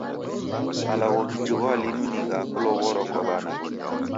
Malagho ghijighwaa linu ni gha kulow'orwa kwa w'anake.